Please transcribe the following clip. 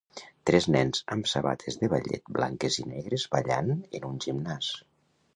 Tres nens amb sabates de ballet blanques i negres ballant en un gimnàs